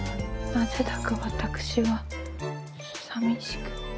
なぜだか私は寂しく。